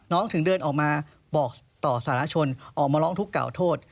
ถึงเดินออกมาบอกต่อสารชนออกมาร้องทุกข์กล่าวโทษ